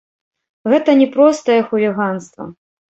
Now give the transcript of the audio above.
Гэта не простае хуліганства.